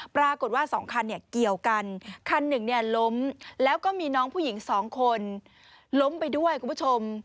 ปรากฏว่าสองคันเกี่ยวกันคันหนึ่งล้มแล้วก็มีน้องผู้หญิงสองคนล้มไปด้วยคุณผู้ชม